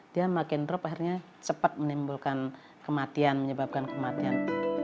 dia makin drop akhirnya cepat menimbulkan kematian menyebabkan kematian